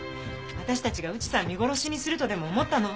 わたしたちが内さん見殺しにするとでも思ったの？